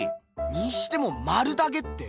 にしてもまるだけって。